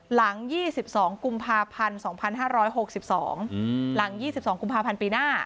หลัง๒๒กุมภาพันธ์๒๕๖๒หลัง๒๒กุมภาพันธ์ปีหน้า